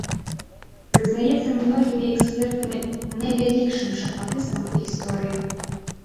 Прызнаецца многімі экспертамі найвялікшым шахматыстам ў гісторыі.